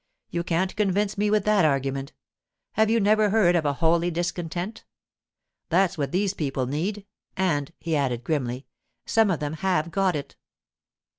'You can't convince me with that argument. Have you never heard of a holy discontent? That's what these people need—and,' he added grimly, 'some of them have got it.